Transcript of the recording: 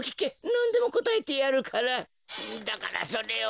なんでもこたえてやるからだからそれを。